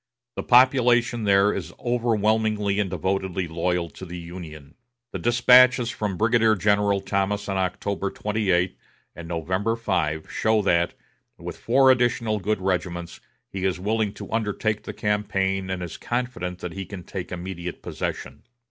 The population there is overwhelmingly and devotedly loyal to the Union. The despatches from Brigadier General Thomas of October 28 and November 5 show that, with four additional good regiments, he is willing to undertake the campaign and is confident he can take immediate possession.